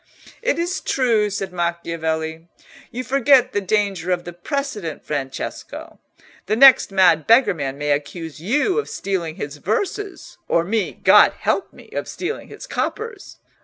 "It is true," said Macchiavelli. "You forget the danger of the precedent, Francesco. The next mad beggarman may accuse you of stealing his verses, or me, God help me! of stealing his coppers.